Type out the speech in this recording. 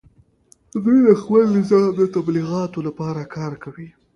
دوی د خپل نظام د تبلیغاتو لپاره کار کوي